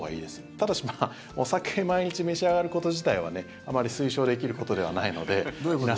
ただし、お酒を毎日召し上がること自体はあまり推奨できることではないので。